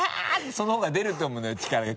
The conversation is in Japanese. その方が出ると思うんだよ力が。